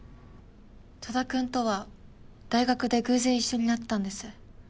戸田君とは大学で偶然一緒になったんです。